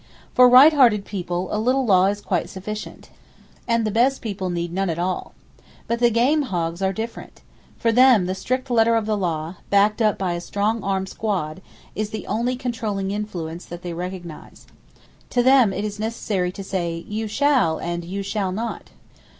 For right hearted people, a little law is quite sufficient; and the best [Page 245] people need none at all! But the game hogs are different. For them, the strict letter of the law, backed up by a strong arm squad, is the only controlling influence that they recognize. To them it is necessary to say: "You shall!" and "You shall not!"